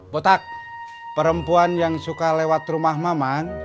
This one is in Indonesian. botak perempuan yang suka lewat rumah mamang